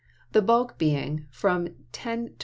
the bulk being from 10 Vol.